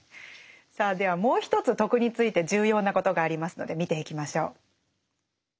さあではもう一つ「徳」について重要なことがありますので見ていきましょう。